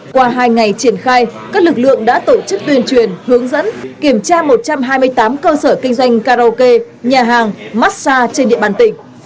qua hai ngày triển khai các lực lượng đã tổ chức tuyên truyền hướng dẫn kiểm tra một trăm hai mươi tám cơ sở kinh doanh karaoke nhà hàng massage trên địa bàn tỉnh